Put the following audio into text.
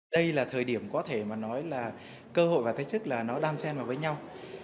đây là thời điểm có thể mà nói là cơ hội và thách thức là nó đan sen vào với nhau